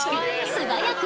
素早く！